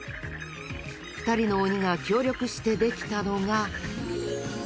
２人の鬼が協力してできたのが。